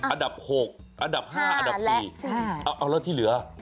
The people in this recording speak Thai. อันดับ๖อันดับ๕อันดับ๔เอาแล้วที่เหลือ